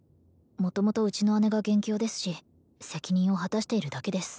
元々うちの姉が元凶ですし責任を果たしているだけです